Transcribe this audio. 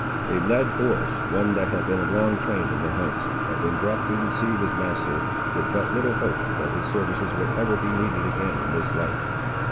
A led horse, one that had been long trained in the hunts, had been brought to receive his master, with but little hope that his services would ever be needed again in this life.